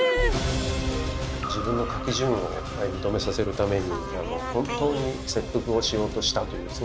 自分の書き順を認めさせるために本当に切腹をしようとしたというそういう話があります。